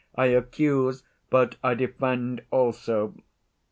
I accuse, but I defend also!